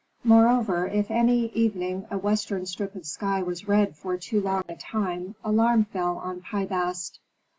Moreover, if any evening a western strip of sky was red for too long a time alarm fell on Pi Bast.